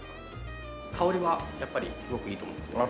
香りはやっぱりすごくいいと思うんですよね。